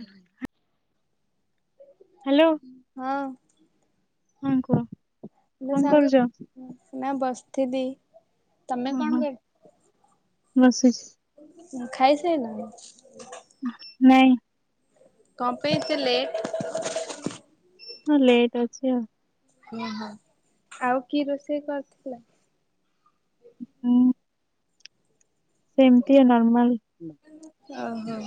[inaudible] Hello. ହଁ। ହଁ କୁହ? ଇଲୋ କଣ ସାଙ୍ଗ କରୁଛ? ନା ବସିଥିଲି। ତମେ ଓ କଣ ହଁ ବସିଛି। [inaudible] ଖାଇସାଇଲଣି? ନାଇଁ। କଣ ପାଇଁ ଏତେ ଲେଟ୍? ହଁ ଲେଟ୍ ଅଛି ଆଉ। ଓ ହୋ ଆଉ କିଏ ରୋଷେଇ କରିଥିଲା? ଉଁ ସେମିତିଆ ନର୍ମାଲ ଓ ହୋ।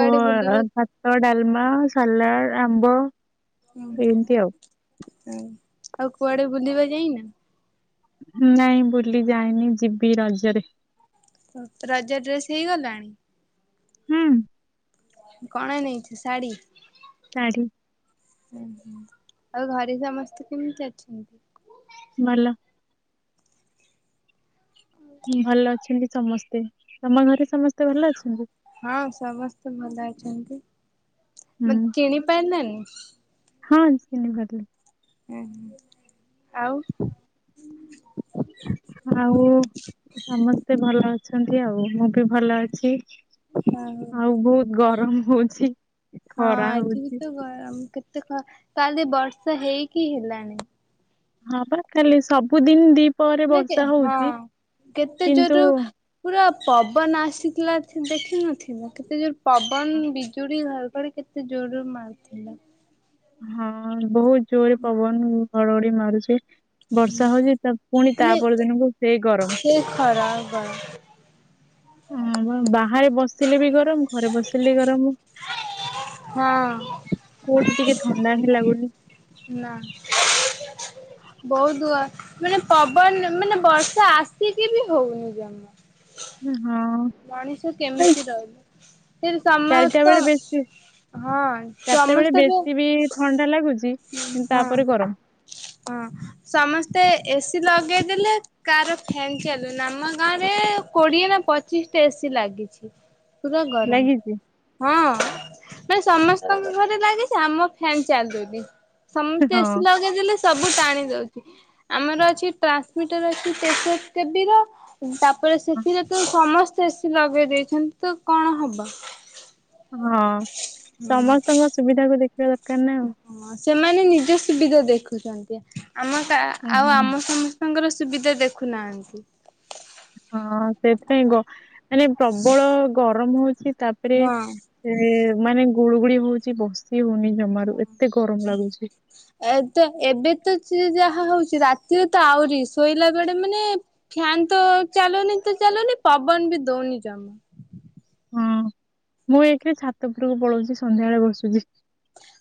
ଗରମ ଭାତ, ଡାଲମା, ସାଲାଡ଼, ଆମ୍ବ ଓୁ ହୋ ଏମିତି ଆଉ। ହଁ ଆଉ କୁଆଡେ ବୁଲିବା ଯାଇନା? ନାଇଁ ବୁଲି ଯାଇନି ଯିବି ରଜରେ। ଓ ରଜ ଡ୍ରେସ ହେଇଗଲାଣି? ହୁଁ। କଣ ନେଇଛି ଶାଢ଼ୀ? ଶାଢ଼ୀ। ଓୁଁ ହୁଁ ଆଉ ଘରେ ସମସ୍ତେ କେମିତି ଅଛନ୍ତି? ଭଲ। ଭଲ ଅଛନ୍ତି, ସମସ୍ତେ ତମ ଘରେ ସମସ୍ତେ ଭଲ ଅଛନ୍ତି? ହଁ ସମସ୍ତେ ଭଲ ଅଛନ୍ତି। ହୁଁ ହଁ ଚିହ୍ନିପାରିଲି। ହ ହୁଁ, ଆଉ ଆଉ ସମସ୍ତେ ଭଲ ଅଛନ୍ତି ଆଉ ମୁଁ ବି ଭଲ ଅଛି। ଆଉ ବହୁତ ଗରମ ହଉଛି। ହଁ ଖରା ଏଠି ହଉଛି ତ ଗରମ କେତେ କାଲେ ବର୍ଷା ହେଇକି ହେଲାଣି। ହଁ ପରା କାଲି ସବୁଦିନ ଦି ନ [unintelligible] ହଁ କେତେ କିନ୍ତୁ ଜୋରରୁ ପୁରା ପବନ ଆସିଥିଲା ଦେଖିନଥିବ। କେତେ ଜୋର ପବନ ବିଜୁଳି ଘର କଡ଼ି କେତେ ଜୋରୋ ମାରୁଥିଲା। ହଁ ବହୁତ ଜୋରେ ପବନ ହଡଘଡି ମାରୁଛି। ବର୍ଷା ହଉଛି ତା ପୁଣି ତା ମାନେ ପର ଦିନକୁ ସେଇ ଗରମ। ଖରା ବା ବାହାରେ ବସିଲେ ବି ଘରେ ଗରମ, ଘରେ ବସିଲେ ବି ଗରମ ହଁ କୋଉଠି ଟିକେ ଥଣ୍ଡା ହେଇଲାଗୁନି। ନା। [unintelligible] ବହୁତୁ ମାନେ ପବନ ମାନେ ବର୍ଷା ଆସିକି ବି ହଉନି ଜମା। ହଁ। ମଣିଷ ଏଇ କେମିତି ରହିବ? ସେଠ ଚାରିଟା ସମସ୍ତ ବେଳେ ବେଶୀ ହଁ ଚାରିଟା ବେଳେ ସମସ୍ତେ ଏବେ ବେଶୀ ବି ଥଣ୍ଡା ଲାଗୁଛି କିନ୍ତୁ ତାପରେ ଗରମ। ହଁ ସମସ୍ତେ ଏସିି ଲଗେଇଦେଲେ କାର ଫ୍ୟାନ ଚାଲୁନି ଆମ ଗାଁ ରେ କୋଡିଏ ନା ପଚିଶ ଟା ଏସି ଲାଗିଛି। ପୁରା ଗରମ ଲାଗିଛି ହଁ ମାନ ସମସ୍ତଙ୍କ ଘରେ ଲାଗିଛି, ଆମ ଫ୍ୟାନ ଚାଲୁନି ସମସ୍ତେ ହଁ ଏସି ଲଗେଇ ଦେଲେ ସବୁ ଟାଣି ଦଉଛି ଆମର ଅଛି ଟ୍ରାନ୍ସମିଟର ଅଛି କେବି ର ତାପରେ ସେଥିରେ ତୁ ସମସ୍ତେ ଏସି ଲଗେଇ ଦେଇଛନ୍ତି ତ କଣ ହବ? ହଁ ହଁ ସମସ୍ତଙ୍କ ସୁବିଧା କୁ ଦେଖିବା ଦରକାର ନା ଆଉ। ହଁ ସେମାନେ ନିଜ ସୁବିଧା ଦେଖୁଛନ୍ତି ଆମ ତା ହୁଁ ଆଉ ହୁଁ। ଆମ ସମ ତାଙ୍କର ସୁବିଧା ଦେଖୁନାହାନ୍ତି। ହଁ ସେଥିପାଇଁ ଗ ମାନେ ପ୍ରବଳ ଗରମ ହଉଛି ତାପରେ ହଁ। ସେ ମାନେ ଗୁଳୁଗୁଳି ହଉଛି ବସି ହଉନି ଜମାରୁ ଏତେ ଗରମ ଲାଗୁଛି। ଏତେ ଏବେ ତ ସେ ଯାହା ହଉଛି ରାତିରେ ତ ଆହୁରି ଶୋଇଲା ବେଳେ ମାନେ ଫ୍ୟାନ ତ ଚାଲୁନି ତ ଚାଲୁନି ପବନ ବି ଦଉନି ଜମା। ହଁ ମୁଁ ଏକରେ ଛାତ ଉପୁରକୁ ପଳଉଛି ସନ୍ଧ୍ୟାବେଳେ ବସୁଛି।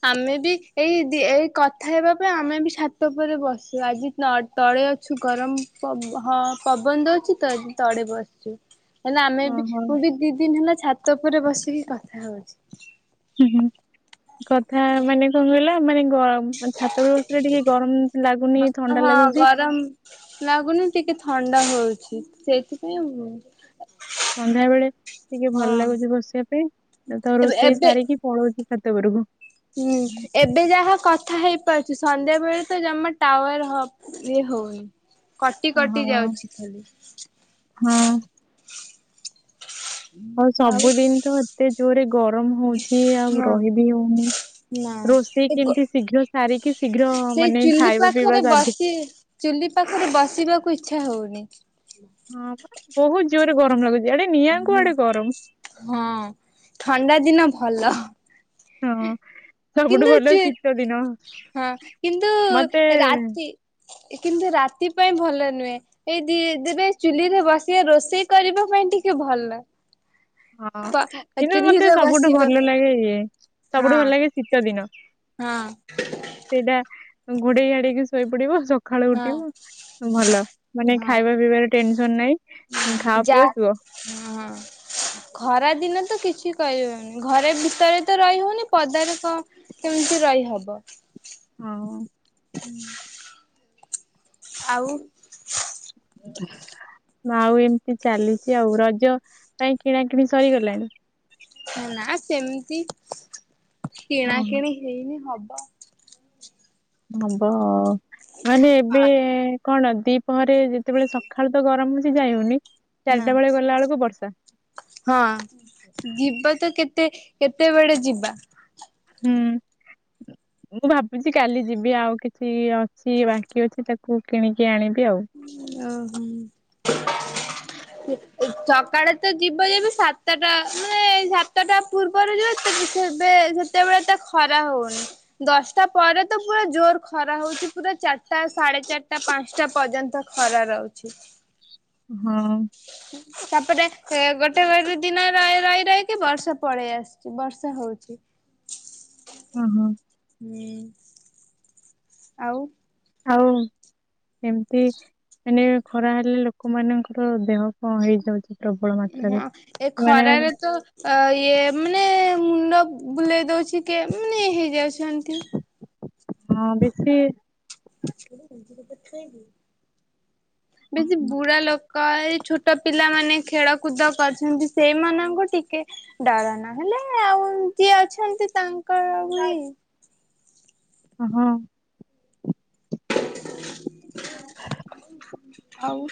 ଆମେ ବି ଏଇ ଏଇ କଥା ହେବା ପାଇଁ ଆମେ ବି ସାତ ପରେ ବସିବ ଆଜି ନ ତଳେ ଅଛୁ ଗରମ ପବ ଅ ପବନ ଦଉଛି ତ ତଳେ ବସିଛୁ। ହେଲେ ଆମେ ବି ଓହୋ ମୁଁ ବି ଦି ଦିନ ହେଲା ଛାତ ଉପରେ ବସିକି କଥା ହଉଛି। ହୁଁ, କଥା ମାନେ କଣ କହିଲ ମାନେ ଗ ଛାତ ଉପରେ ଟିକେ ଗରମ ଲାଗୁନି ଥଣ୍ଡା ଲାଗୁଛି। ଅମ୍ ଲାଗୁନି ଟିକେ ଥଣ୍ଡା ହଉଛି, ସେଇଥିପାଇଁ ଆଉ କଣ? ସନ୍ଧ୍ୟା ବେଳେ ଟିକେ ଭଲ ଲାଗୁଛି ବସିବା ପାଇଁ ତ ଏବେ ରୋଷେଇ ଏବେ ସାରିକି ପଳଉଛି ଛାତ ଉପୁରୁକୁ। ହୁଁ ଏବେ ଯାହା କଥା ହେଇ ପାରଛି ସନ୍ଧ୍ୟା ବେଳେ ତ ଜମା ଟାୱାର ହ ଇଏ ହଉନି। କଟି କଟି ଓହୋ ଯାଉଛି ଖାଲି। ହଁ ହଉ ଆଉ ସବୁଦିନ ତ ଏତେ ଜୋରେ ଗରମ ହଉଛି ଆଉ ହଁ। ରହିିବି ହଉନି। ନା ରୋଷେଇ ଏ ଗୋ କେମତି ଶୀଘ୍ର ସାରିକି ଶୀଘ୍ର ସେଇ ମାନେ ଚୁଲି ଖାଇବା ପିଇବା ପାଖରେ ସାରଦେଇ ବସି ଚୁଲି ପାଖରେ ବସିବାକୁ ଇଚ୍ଛା ହଉନି। ହଁ ବା ବହୁତ ଜୋରେ ଗରମ ଲାଗୁଛି ଇଆଡେ ନିଆଁ କୁ ହୁଁ। ଆଡେ ଗରମ୍ ହଁ ଥଣ୍ଡା ଦିନ ଭଲ। ହଁ ସବୁଠୁ କିନ୍ତୁ ଭଲ ଚୁ ଶୀତ ଦିନ ହଁ ମତେ ଏ କିନ୍ତୁ ରାତି ପାଇଁ ଭଲ ନୁହେଁ। ଏଇ ଦି ଦେବେ ଚୁଲିରେ ବସି ଏ ରୋଷେଇ କରିବା ପାଇଁ ଟିକେ ଭଲ। ହଁ କିନୁ ମତେ ଚୁଲିରେ ସବୁଠୁ ବସିବା ଭଲ ପାଇଁ। ଲାଗେ ଇଏ ସବୁଠୁ ଭଲ ହଁ। ଲାଗେ ଶୀତ ଦିନ। ହଁ ସେଇଟା ଘୋଡେଇ ଘାଡେଇକି ଶୋଇ ପଡିବ ସକା ଖାଳୁ ହଁ ଉଠିବ ଭଲ ମାନେ ହଁ ଖାଇବା ପିଇବାରେ ଟେନସନ ନାହିଁ। ଖାଅ ଯା ପିଅ ଶୁଅ ହଁ। ଖରା ଦିନ ତ କିଛି କରିହଉନି ଘରେ ଭିତରେ ତ ରହି ହଉନି ପଦାରେ କଁ କେମତି ରହିହବ? ହଁ ଆଉ ଆଉ ଏମିତି ଚାଲିଛି ଆଉ ରଜ ପାଇଁ କିଣା କିିଣି ସରିଗଲାଣି? ନା ସେମତି ହଁ। କିଣାକିଣି ହେଇନି ହବ ହବ ମାନେ ଏବେ କଣ ଦିପହରେ ଯେତେବେଳେ ସଖାଳୁ ତ ଗରମ ହଉଛି ଯାଇ ହଉନି। ନା। ଚାରିଟା ବେଳେ ଗଲା ବେଳକୁ ବର୍ଷା ହଁ ଯିବ ତ କେତେ କେତେବେଳେ ଯିବା? ହୁଁ। ମୁଁ ଭାବୁଛି କାଲି ଯିବି ଆଉ କିଛି ଅଛି ବାକି ଅଛି ତାକୁ କିଣିକି ଆଣିବି ଆଉ ଓହୋ। ସକାଳେ ତ ଯିବ ଯେବେ ସାତେଟା ମାନେ ସାତଟା ପୂର୍ବୁ ପରୁ ଯିବ ସେବେ ସେତେବେଳେ ଏତେ ଖରା ହଉନି। ଦଶଟା ପରେ ତ ପୁରା ଜୋର ଖରା ହଉଚି ପୁରା ଚାରଟା ସାଢେ ଚାରଟା ପାଞ୍ଚଟା ପର୍ଯ୍ୟନ୍ତ ତ ଖରା ରହୁଛି। ହଁ। ତାପରେ ଏ ଗୋଟେ ଗୋଟେ ଦିନ ରହି ରହିକି ବର୍ଷା ପଳେଇ ଆସୁଛି ବର୍ଷା ହଉଛି। ଉ ହୁଁ। ହୁଁ। ଆଉ ଆଉ ଏମିତି ମାନେ ଖରା ହେଲେ ଲୋକମାନଙ୍କର ଦେହ କଣ ହେଇଯାଉଛି। ପ୍ରବଳ ମାତ୍ରାରେ ହଁ ଏ ମାନେ ଖରାରେ ତ ଅ ଇଏ ମାନେ ମୁଣ୍ଡ ବୁଲେଇ ଦଉଛି କିଏ ମାନେ ହେଇଯାଉଛନ୍ତି। ହଁ ବେଶୀ [unintelligible] ବେଶୀ ବୁଢା ଲୋକ କ ଏଇ ଛୋଟ ପିଲାମାନେ ଖେଳକୁଦ କରଛନ୍ତି ସେଇମାନଙ୍କୁ ଟିକେ ଡର ନହେଲେ ଆଉ ଯିଏ ଅଛନ୍ତି ତାଙ୍କ [unintelligible] କହ? ଆଉ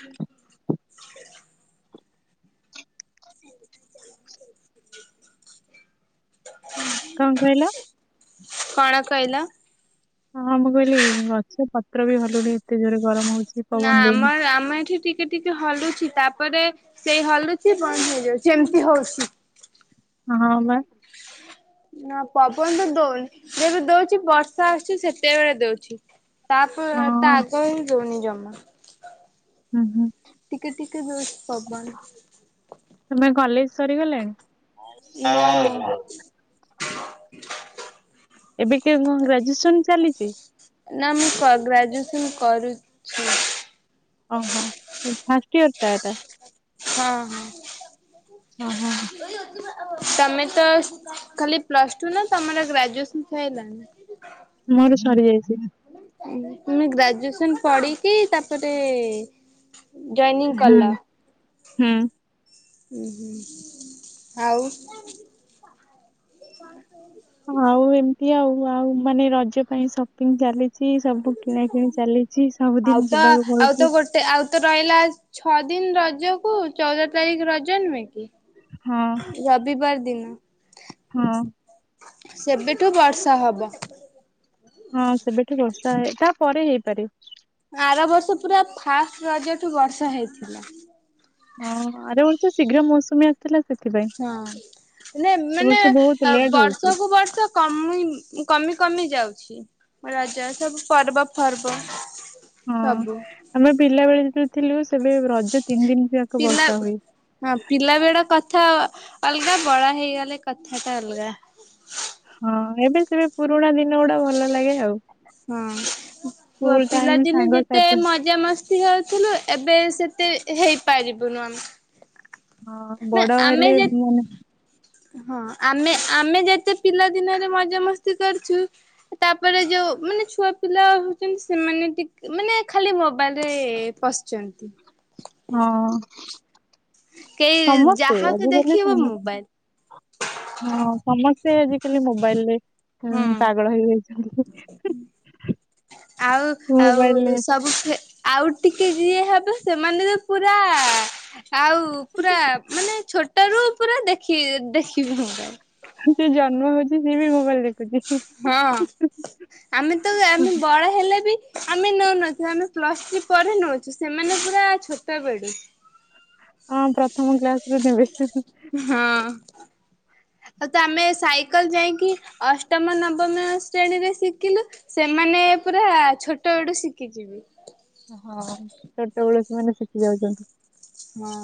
ହ ହୁଁ କଣ କହିଲ? କଣ କଇଲ? ହଁ ହଁ ମୁଁ କହିଲି ଗଛ ପତ୍ର ବି ହଲୁନି ଏତେ ଜୋରେ ଗରମ ହଉଛି ପବନ ଦଉନି। ସେ ଆମ ଏଠି ଟିକ ଟିକେ ଟିକେ ହଲୁଛି ତାପରେ ସେଇ ହଲୁଛି ବନ୍ଦ ହେଇଯାଉଛି ଏମତି ହଉଛି। ହଁ ବା। ନା ପବନ ତ ଦଉନି ଯେବେ ଦଉଛି ବର୍ଷା ଆସୁଛି ସେତେବେଳେ ଦଉଛି। ତାପ ତା ହଁ। ଆଗ ହିଁ ଯଉନି ଜମା। ହୁଁ ହୁଁ ଟିକେ ଟିକେ ଦଉଚି ପବନ। ତମେ କଲେଜ ସରିଗଲାଣି ହଁ ନା ଏବେ କି ଗ୍ରାଜୁଏସନ ଚାଲିଚି? ନା ମୁଁ କ ଗ୍ରାଜୁଏସନ୍ କରୁ ଓହୋ ଫାଷ୍ଟ ଇୟର ଟା ଏଟା ହଁ ହଁ ହଁ ହଁ ତମେ ତ ଖାଲି ପ୍ଲସ ଟୁ ନାର ଗ୍ରେଜ୍ୟୁଏସନ ସାଇଲନି ମୋର ସରିଯାଇଛି ତମେ ଗ୍ରାଜୁଏସନ ପଢିକି ତାପରେ ଜଏନିଂ ହୁଁ ହୁଁ ଉୁଁ ହୁଁ ଆଉ ଆଉ ଏମିତି ଆଉ ଆଉ ମାନେ ରଜ ପାଇଁ ସପିଙ୍ଗ ଚାଲିଛି ଛି ସବୁ କିଣା କିିଣି ଚାଲିଛି ଆଉ ସବୁଦିନ ତ ଯିବାକୁ ଆଉ ତ ପଡୁଛି ଗୋଟେ ଆଉ ତ ରହିଲା ଛଅ ଦିନ ରଜକୁ ଚଉଦ ତାରିଖ ରଜ ନୁହେଁ କି ହଁ ରବିବାର ଦିନ ହଁ ସେବେଠୁ ବର୍ଷା ହବ ହଁ ସେବେଠୁ ବର୍ଷା ହେ ତା ପରେ ହେଇପାରେ ଆର ବର୍ଷ ପୁରା ଫାଷ୍ଟ ରଜଠୁ ବର୍ଷା ହେଇଥିଲା ହଁ ଆର ବର୍ଷ ଶୀଘ୍ର ମୌସୁମୀ ଆସ ଥିଲା ସେଥିପାଇଁ ହଁ ମ ଏ ମାନେ ବର୍ଷ ବହୁତ ଲେଟ୍ ହଉଛି ବର୍ଷକୁ ବର୍ଷ କମି କମି କମି ଯାଉଛି ରଜ ସବୁ ପର୍ବ ପର୍ବ ହଁ ଆମେ ପିଲା ବେଳେ ଯେତେ ଥିଲୁ ସେବେ ରଜ ତିନି ଦିନ ଯାକ ପିଲା ବର୍ଷା ହୁଏ ହଁ ପିଲା କଥା ଅଲଗା ବଡ ହେଇଗଲେ କଥା ଟା ଅଲଗା ହଁ ଏବେ ସେବେ ପୁରୁଣା ଦିନ ଗୁଡା ଭଲ ଲାଗେ ଆଉ ହଁ ସ୍କୁଲ ଟାଇମ ପିଲାଦିନେ ଯେତେ ମଜା ଯେତେ ସାଙ୍ଗସାଥି ମଜା ମସ୍ତି ହଉଥିଲୁ ଏବେ ସେତେ ହେଇପାରିବୁନୁ ଆମେ ହଁ ନା ବଡ ଆମେ ହେଲେ ଯେ ମାନେ ହଁ ଆମେ ଆମେ ଯେତେ ପିଲା ଦିନରେ ମଜା ମସ୍ତି କରିଛୁ ତାପରେ ଯୋଉ ମାନେ ଛୁଆ ପିଲା ହଉଛନ୍ତି ସେମାନେ ଟିକେ ମାନେ ଖାଲି ମୋବାଇଲରେ ପଶି ଯନ୍ତି ହଁ କେହି ସମସ୍ତେ ଯାହାକୁ ଆଜିକାଲି ଦେଖିବ ସମସ୍ତେ ମୋବାଇଲ ହଁ ସମସ୍ତେ ଆଜିକାଲି ମୋବାଇଲ ରେ ହଁ ହୁଁ ପାଗଳ ହେଇଯାଇଛନ୍ତି ଆଉ ଆଉ ମୋବାଇଲରେ ସବୁ ଆଉ ଟିକେ ଯିଏ ହେବ, ସେମାନେ ତ ପୁରା ଆଉ ପୁରା ମାନେ ଛୋଟ ରୁ ପୁରା ଦେଖି- ଦେଖିବି ମୁଁ ଯିଏ ଜନ୍ମ ହଉଛି ସିଏ ବି ମୋବାଇଲ୍ ଦେଖୁଛି। ହଁ ଆମେ ତ ଆମେ ବଡ଼ ହେଲେ ବି- ଆମେ ନଉ ନଥିଲୁ, ଆମେ ପ୍ଲସ ଥ୍ରୀ ପରେ ନଉଛୁ ସେମାନେ ପୁରା ଛୋଟ ବେଳୁ ହଁ, ପ୍ରଥମ କ୍ଲାସ ରୁ ନେବେ। ହଁ ହଁ ତ ଆମେ ସାଇକେଲ ଯାଇକି ଅଷ୍ଟମ ନବମ ଶ୍ରେଣୀରେ ଶିଖିଲୁ। ସେମାନେ ପୁରା ଛୋଟ ବଳୁ ଶିଖିଯିବେ। ହଁ ଛୋଟବେଳୁ ସେମାନେ ଶିଖି ଯାଉଛନ୍ତି। ହଁ,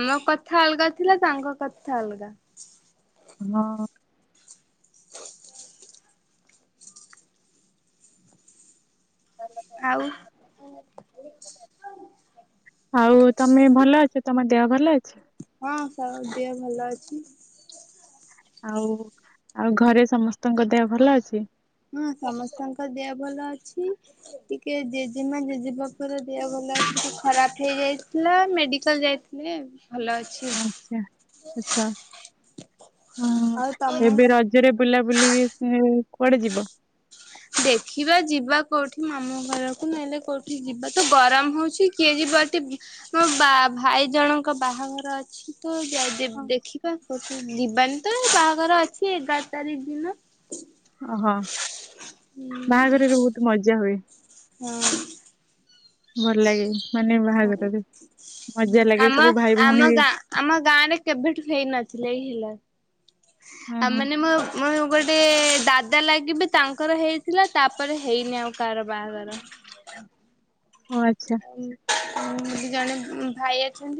ଆମ କଥା ଅଲଗା ଥିଲା, ତାଙ୍କ କଥା ଅଲଗା। ହଁ। ଆଉ ଆଉ ତମେ ଭଲ ଅଛ? ତମ ଦେହ ଭଲ ଅଛି? ହଁ ତ ଦେହ ଭଲ ଅଛି। ଆଉ, ଆଉ ଘରେ ସମସ୍ତଙ୍କ ଦେହ ଭଲ ଅଛି? ହଁ, ସମସ୍ତଙ୍କ ଦେହ ଭଲ ଅଛି। ଟିକେ ଜେଜେମା ଜେଜେବାପାର ଦେହ ଭଲ, ଖରାପ ହେଇଯାଇଥିଲା। ମେଡିକାଲ ଯାଇଥିଲେ। ଭଲ ଅଛି। ଆଛା, [unintelligible] ଆଉ ହଁ। ତମ ରଜରେ ବୁଲା ବୁଲି କୁଆଡେ ଯିବ? ଦେଖିବା ଯିବା କୋଉଠି, ମାମୁଁ ଘରକୁ, ନ ହେଲେ କୋଉଠି ଯିବା ତ ଗରମ ହଉଚି କିଏ ଯିବଟି, ମୋ ବା- ଭାଇ ଜଣଙ୍କ ବାହାଘର ଅଛି। ତୁ ଯା [unintelligible] ଦେଖିବା। ଯିବାନି ତ, ବାହାଘର ଅଛି ଏଗାର ତାରିଖି ଦିନ। ଓହୋ, ବାହାଘରରେ ବହୁତ ମଜା ହୁଏ। ହଁ। ଭଲ ଲାଗେ, ମାନେ ହଁ ବାହାଘରରେ, ମଜା ଲାଗେ ଆମ ସବୁ ଭାଇ, ଭଉଣୀ ଆମ ଗାଁ ଆମ ଗାଁ ରେ କେବେଠୁ ହେଇ ନଥିଲା, ଏଇ ହେଲା, ହଁ ଆଉ ହଁ ମାନେ ମୋ- ମୋର ଗୋଟେ ଦାଦା ଲାଗିବେ, ତାଙ୍କର ହେଇଥିଲା, ତାପରେ ହେଇନି ଆଉ କାହାର ବାହାଘର। ଓ ଆଛା। [unintelligible] ଜଣେ ଭାଇ ଅଛନ୍ତି